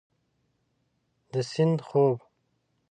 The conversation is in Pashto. د سیند خوب